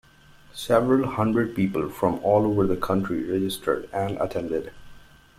Several hundred people from all over the country registered and attended.